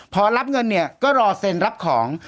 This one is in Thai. พอรับเงินเนี่ยก็รอเซ็นรับของ